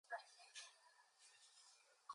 It is located in Manthani mandal.